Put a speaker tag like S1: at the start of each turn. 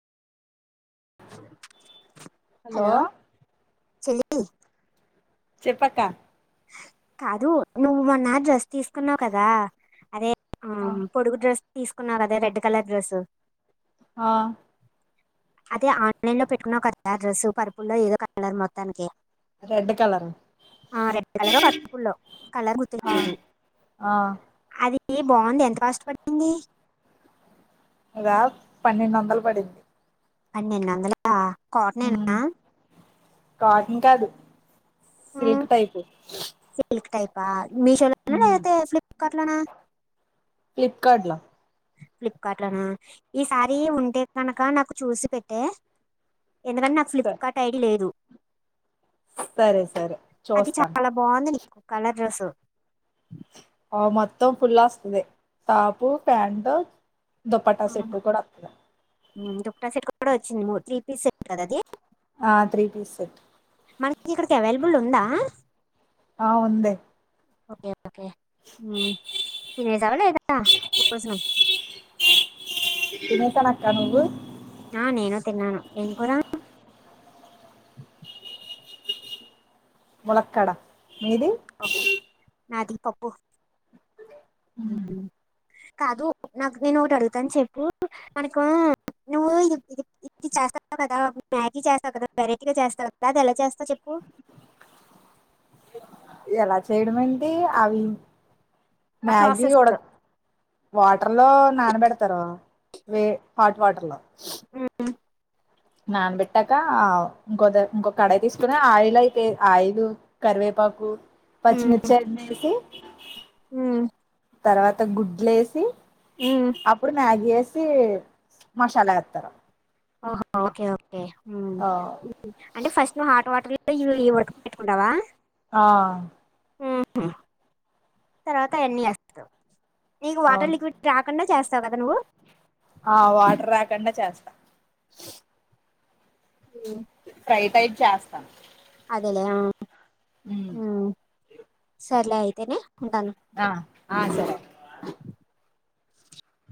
S1: Hello చెల్లీ
S2: చెప్పక్క
S1: కాదు నువ్ మొన్న డ్రెస్ తి తీసుకున్నావు కదా అదే ఆ పొడుగు డ్రెస్ తీసుకున్నావ్ కదే రెడ్ కలర్ డ్రెస్సు
S2: ఆ
S1: అదే ఆన్లైన్ లో పెట్టుకున్నవ్ కదా డ్రెస్సు పరుపుల్లో ఏదో కలర్ మొత్తానికి
S2: రెడ్ కలర్
S1: కలరో పర్పల్లో కలర్ గుర్తులేదు
S2: ఆ
S1: అది బాగుంది ఎంత కాస్ట్ పడుతుంది
S2: అద పన్నెండు వందలు పడింది
S1: పెండెందు వందల
S2: హు
S1: కాటనేనా
S2: కాటన్ కాదు సిల్క్ టైపు
S1: ప మీషోలోన్ లేపితే ఫ్లిప్కార్ట్లోనా
S2: ఫ్లిప్కార్ట్ లో
S1: ఫ్లిప్కార్ట్ లోనా ఈ సారీ ఉంటే కనుక నాకు చూసి పెట్టే ఎందుకంటే నా
S2: స
S1: ఫ్లిప్కార్ట్ ఐడి లేదు
S2: సరే సరే
S1: అది
S2: చూస్తాను
S1: చాలా బాగుంది నీకు కలర్ డ్రెస్సు
S2: ఆ మొత్తం ఫుల్ వస్తుంది టాపు ప్యాంట్ దుప్పట్ట
S1: ఆ,
S2: సెట్టు కూడా వత్తది
S1: కూడ వొచ్చింది మూడు త్రీ పీసెస్ సెట్ కదా అది
S2: ఆ త్రీ పీస్ సేట్
S1: మనకి ఇక్కడికి అవైలబుల్ ఉందా
S2: ఆ ఉంది
S1: ఓకే ఓకే మ్మ్ తినేసారా లేదా భోజనం
S2: తినేసాను అక్కా నువ్వు
S1: ఆ నేను తిన్నాను ఏం కూర
S2: ములక్కాడ మీది
S1: ఓకే. నాది పప్పు
S2: మ్మ్
S1: కాదు నాకు నేను ఒకటి అడుగుతాను చెప్పు మనకు నువ్వు ఇ ఇద్ ఇది చేస్తావు కదా మ్యాగీ చేస్తావు కదా వెరైటీగా చేస్తావు, అది ఎలా చేస్తావు చెప్పు. అ
S2: ఏ అలా చేయడం ఏంటి ఆవీ
S1: ఆ
S2: మ్యాగీ
S1: ప్రాసెస్
S2: ఉడ వాటర్ లో నానబెడ్ తారు వే హాట్ వాటర్లో
S1: మ్మ్మ్
S2: నాన్ పెట్టాక ఇంకొద ఇంకొ కడాయి తీసుకున ఆయిల్ అయితే ఆయిదు కరివే పాకు పచ్చిమిర్చి అన్ని ఎసి
S1: ఉమ్
S2: తర్వాత గుడ్లు ఎసి అప్పుడు మ్యాగి ఎసి మసాలా ఎత్తరు
S1: ఆహ ఓకే ఓకే హ్మ్ అంటే ఫస్ట్ ను హాట్ వాటర్ అంటే యూ ఏ వద్ పెట్టుకుంటవా
S2: ఆ
S1: ఉమ్ తర్వాత అయన్నీ ఎస్తావ్ నీకు వాటర్
S2: అవును
S1: లిక్విడ్ రాకుండా చేస్ చద కదా నువ్వు
S2: ఆ వాటర్ రాకుండా చేస్తా
S1: ఉమ్
S2: ఫ్రై టై చేస్తా
S1: అదేలే హు ఉమ్ సర్లే అయితేనే ఉంటాను
S2: ఆ ఆ సరే